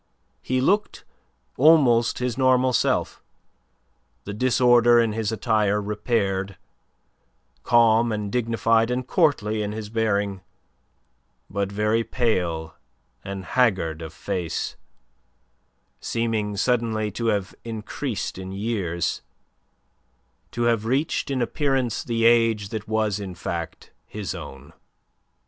He looked almost his normal self, the disorder in his attire repaired, calm and dignified and courtly in his bearing, but very pale and haggard of face, seeming suddenly to have increased in years, to have reached in appearance the age that was in fact his own.